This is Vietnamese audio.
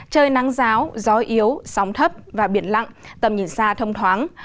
trời nắng ráo gió yếu sóng thấp và biển lặn tầm nhìn xa thông thoáng